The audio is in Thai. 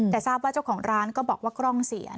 แต่ทราบว่าเจ้าของร้านก็บอกว่ากล้องเสีย